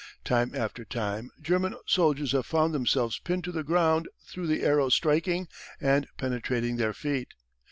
Time after time German soldiers have found themselves pinned to the ground through the arrow striking and penetrating their feet.